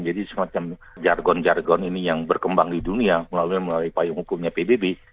jadi semacam jargon jargon ini yang berkembang di dunia melalui payung hukumnya pbb